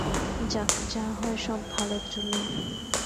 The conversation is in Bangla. যাক, যা হয় সব ভালর জন্যই।